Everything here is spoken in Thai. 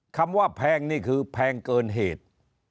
คำว่าแพงนี่คือแพงเกินเหตุ